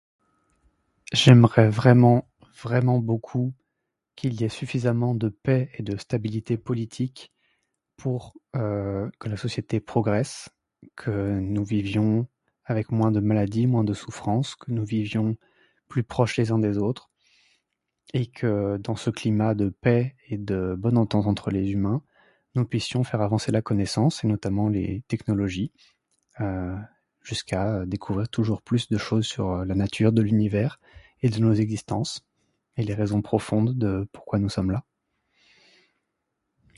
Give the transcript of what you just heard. J'aimerai vraiment, vraiment beaucoup qu'il y ait suffisamment de paix et de stabilité politique pour que la société progresse, que nous vivions avec moins de maladies, moins de souffrance, que nous vivions plus proches les uns des autres ; et que dans ce climat de paix et de bonne entente entre les humains, nous puissions faire avancer la connaissance notamment les technologies, heu, jusqu'à découvrir toujours plus de choses sur la nature de l'univers, et de nos existences, et les raisons profondes de pourquoi nous sommes là.